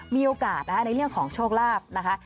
มีโอกาสในเรื่องของโชคราบนะคะ